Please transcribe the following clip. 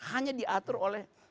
hanya diatur oleh